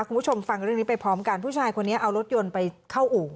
คุณผู้ชมฟังเรื่องนี้ไปพร้อมกันผู้ชายคนนี้เอารถยนต์ไปเข้าอู่